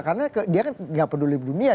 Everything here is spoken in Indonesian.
karena dia kan nggak peduli dunia